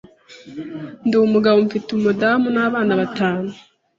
ndi umugabo mfite umudamu n’abana batanu